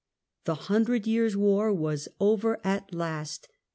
The Hundred Years' War was over at last.